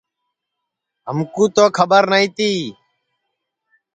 ہمکُو تو کھٻر نائی تی